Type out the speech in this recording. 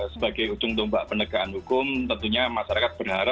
sebagai ujung domba penegakan hukum tentunya masyarakat berharap bahwa